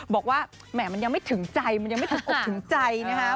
บอกว่าแหม่มันยังไม่ถึงใจมันยังไม่ถึงอกถึงใจนะคะ